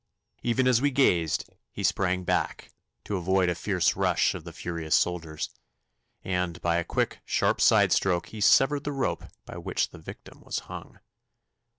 Even as we gazed he sprang back to avoid a fierce rush of the furious soldiers, and by a quick sharp side stroke he severed the rope by which the victim was hung.